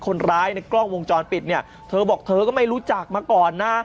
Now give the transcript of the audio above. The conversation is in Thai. คนร้ายในกล้องวงจรปิดเนี่ยเธอบอกเธอก็ไม่รู้จักมาก่อนนะ